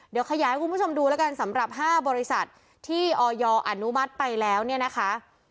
เดี๋ยวขยายให้คุณผู้ชมดูแล้วกันสำหรับ๕บริษัทที่ออยอนุมัติไปแล้วเนี่ยนะคะ